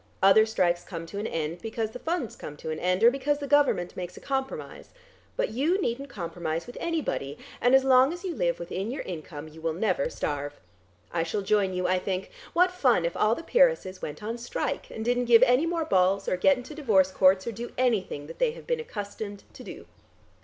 Other strikes come to an end, because the funds come to an end, or because the Government makes a compromise. But you needn't compromise with anybody, and as long as you live within your income, you will never starve. I shall join you, I think. What fun if all the peeresses went on strike, and didn't give any more balls or get into divorce courts, or do anything that they have been accustomed to do."